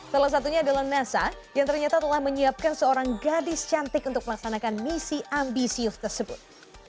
salah satunya adalah nasa yang ternyata telah menyiapkan seorang gadis cantik untuk melaksanakan misi ambisius tersebut